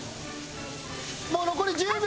もう残り１０秒！